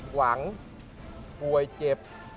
หวังป่วยเจ็บ